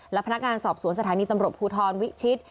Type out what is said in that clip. และพนักงานสอบสวนสถานีตำรวจภูทรวิชิต